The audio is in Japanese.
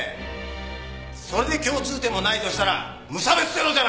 それで共通点もないとしたら無差別テロじゃないか！